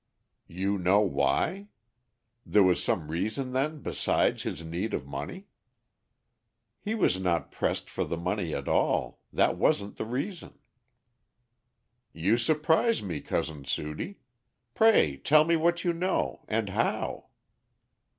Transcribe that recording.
"You know why? There was some reason then besides his need of money?" "He was not pressed for the money at all. That wasn't the reason." "You surprise me, Cousin Sudie. Pray tell me what you know, and how."